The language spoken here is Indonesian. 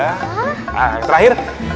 nah yang terakhir